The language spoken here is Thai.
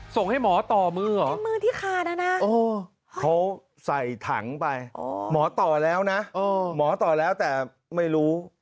ส่งให้หมอต่อมือเหรอมือที่ขาดนะเขาใส่ถังไปหมอต่อแล้วนะหมอต่อแล้วแต่ไม่รู้